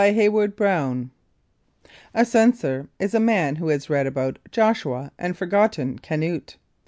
] HEYWOOD BROUN A censor is a man who has read about Joshua and forgotten Canute.